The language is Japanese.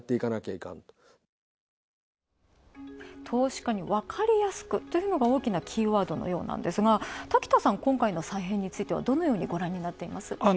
投資家にわかりやすくというのが大きなキーワードのようなんですが滝田さん、今回の再編についてはどのようにご覧になっていますか。